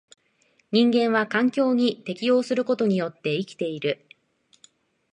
人間は環境に適応することによって生きている。